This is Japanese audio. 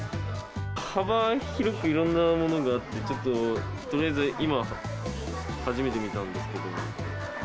幅広くいろんなものがあって、ちょっととりあえず今、初めて見たんですけど。